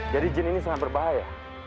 jadi jin ini sangat berbahaya